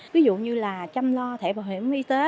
ví dụ như là chăm lo thẻ bảo hiểm y tế